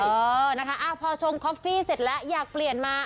เออนะคะพอชงคอฟฟี่เสร็จแล้วอยากเปลี่ยนมา